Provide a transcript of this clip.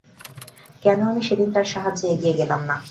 কেন আমি সেদিন তার সাহায্যে এগিয়ে গেলাম না।